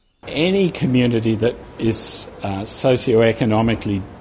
sebagai komunitas yang berdampak ekonomi